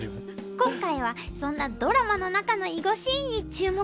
今回はそんなドラマの中の囲碁シーンに注目。